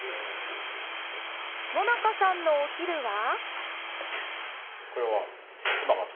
野中さんのお昼は？